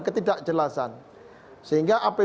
ketidakjelasan sehingga apabila kita